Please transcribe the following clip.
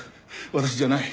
私じゃない。